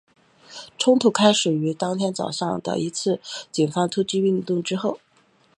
冲突开始于当天早上的一次警方突袭行动之后。